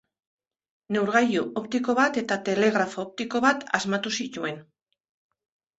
Neurgailu optiko bat eta telegrafo optiko bat asmatu zituen.